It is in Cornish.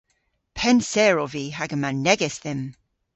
Pennser ov vy hag yma negys dhymm.